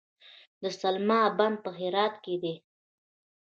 د سلما بند په هرات کې دی